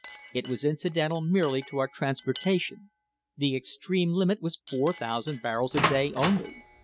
It was incidental merely to our transportation. The extreme limit was 4,000 barrels a day only."